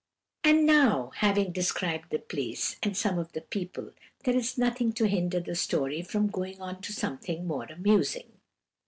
"And now, having described the place, and some of the people, there is nothing to hinder the story from going on to something more amusing.